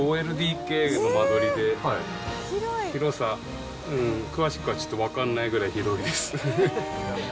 ５ＬＤＫの間取りで、広さ、詳しくはちょっと分かんないぐらい広いです。